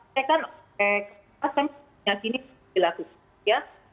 saya kan kelas yang di sini dilakukan